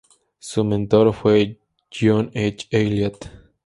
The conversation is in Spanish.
Su mentor fue John H. Elliot.